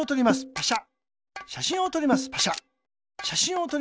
パシャ。